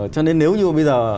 cho nên nếu như bây giờ